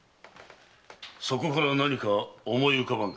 そこから何か思い浮かばぬか？